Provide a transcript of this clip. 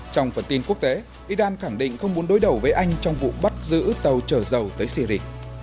trong phần tin quốc tế iran khẳng định không muốn đối đầu với anh trong vụ bắt giữ tàu trở dầu tới syri